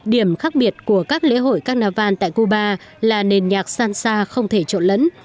điểm khác biệt của các lễ hội carnival tại cuba là nền nhạc san xa không thể trộn lẫn